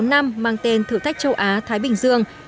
bốn năm mang tên thử thách châu á thái bình dương